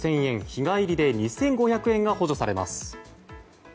日帰りで２５００円が補助されます。